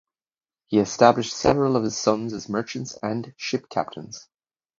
He established several of his sons as merchants and ship captains.